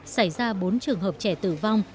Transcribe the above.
xảy ra bốn trường hợp trẻ tử vong